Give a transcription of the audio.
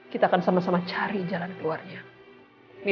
kita akan menemukan jalan untuk bersama